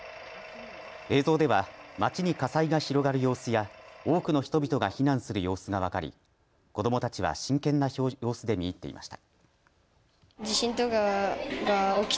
映像では町に火災が広がる様子や多くの人々が避難する様子が分かり子どもたちは真剣な様子で見入っていました。